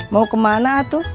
mau kemana atu